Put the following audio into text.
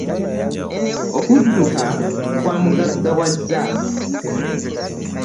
Okudduka kwa muggagawaza